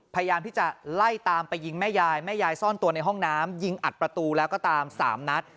พยายามที่จะไล่ตามไปยิงแม่ยายแม่ยายซ่อนตัวในห้องน้ำยิงอัดประตูแล้วก็ตาม๓นัด